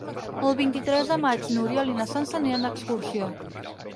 El vint-i-tres de maig n'Oriol i na Sança aniran d'excursió.